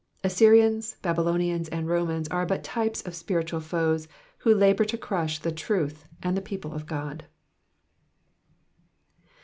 Assyrians, Babylonians, and Romans are but types of spiritual foes who labour to crush the truth and the people of God.